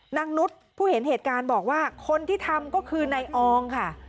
นุษย์ผู้เห็นเหตุการณ์บอกว่าคนที่ทำก็คือนายอองค่ะ